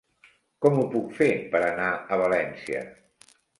Com ho puc fer per anar a València?